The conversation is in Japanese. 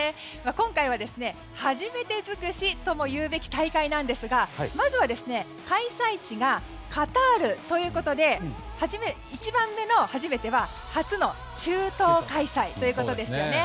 今回は初めて尽くしともいうべき大会なんですがまずは開催地がカタールということで１番目の初めては、初の中東開催ということですよね。